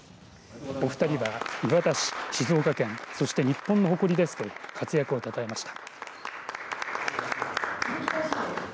お２人は、磐田市、静岡県そして日本の誇りですと活躍をたたえました。